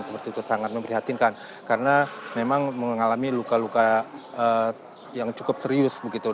seperti itu sangat memprihatinkan karena memang mengalami luka luka yang cukup serius begitu